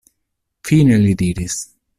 Fine li diris: